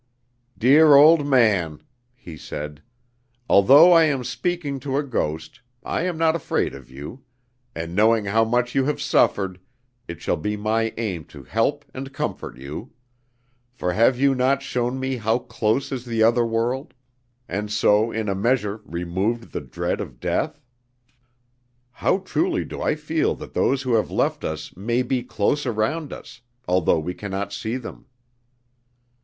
"Dear old man!" he said, "although I am speaking to a ghost, I am not afraid of you; and knowing how much you have suffered, it shall be my aim to help and comfort you; for have you not shown me how close is the other world, and so in a measure removed the dread of death? How truly do I feel that those who have left us may be close around us, although we can not see them."